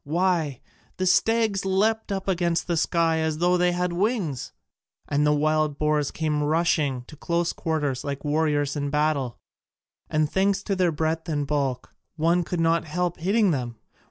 Why, the stags leapt up against the sky as though they had wings, and the wild boars came rushing to close quarters like warriors in battle! And thanks to their breadth and bulk one could not help hitting them.